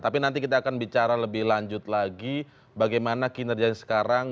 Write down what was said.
tapi nanti kita akan bicara lebih lanjut lagi bagaimana kinerjanya sekarang